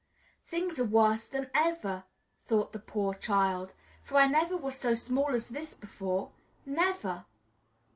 "Things are worse than ever," thought the poor child, "for I never was so small as this before, never!"